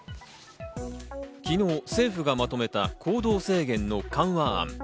昨日政府がまとめた行動制限の緩和案。